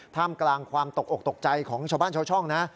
ท่ามกลางความตกอกตกใจของชาวบ้านชาวช่องนะ